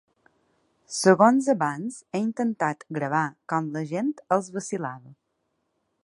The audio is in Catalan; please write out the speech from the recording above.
Segons abans he intentat gravar com l'agent els vacil·lava.